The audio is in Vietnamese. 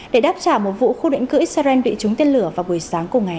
để đáp trả một vụ khu định cư israel bị trúng tên lửa vào buổi sáng cùng ngày